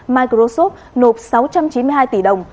microsoft nộp sáu trăm chín mươi hai tỷ đồng